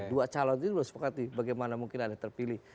dua calon itu belum disepakati bagaimana mungkin ada terpilih